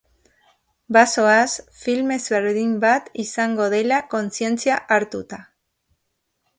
Bazoaz, film ezberdin bat izango dela kontzientzia hartuta.